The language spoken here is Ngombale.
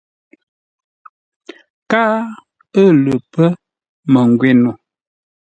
Káa ə̂ lə pə́ məngwě no.